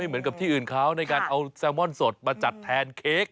เหมือนกับที่อื่นเขาในการเอาแซลมอนสดมาจัดแทนเค้ก